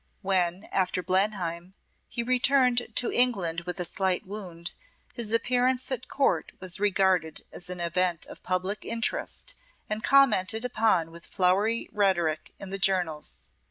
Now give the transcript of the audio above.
When, after Blenheim, he returned to England with a slight wound, his appearance at Court was regarded as an event of public interest, and commented upon with flowery rhetoric in the journals.